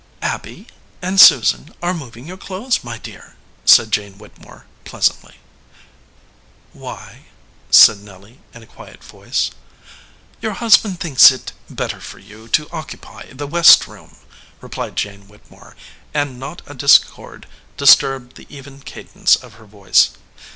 "Abby and Susan are moving your clothes, my dear," said Jane Whittemore, pleasantly. "Why?" said Nelly, in a quiet voice. "Your husband thinks it better for you to oc cupy the west room," replied Jane Whittemore, and not a discord disturbed the even cadence of her voice.